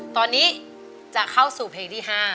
ตอนนี้จะเข้าสู่เพลงที่๕